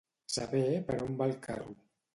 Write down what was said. Saber per on va el carro.